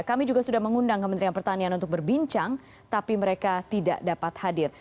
kami juga sudah mengundang kementerian pertanian untuk berbincang tapi mereka tidak dapat hadir